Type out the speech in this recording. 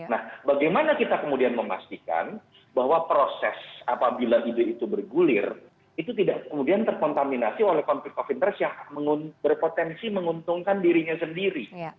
nah bagaimana kita kemudian memastikan bahwa proses apabila ide itu bergulir itu tidak kemudian terkontaminasi oleh konflik of interest yang berpotensi menguntungkan dirinya sendiri